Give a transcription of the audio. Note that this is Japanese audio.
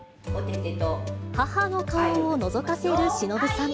母の顔をのぞかせるしのぶさん。